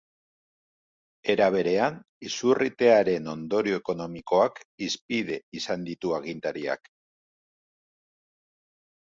Era berean, izurritearen ondorio ekonomikoak hizpide izan ditu agintariak.